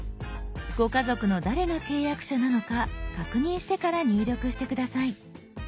ご家族の誰が契約者なのか確認してから入力して下さい。